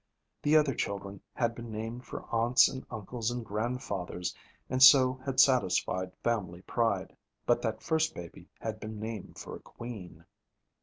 The other children had been named for aunts and uncles and grandfathers, and so had satisfied family pride. But that first baby had been named for a queen.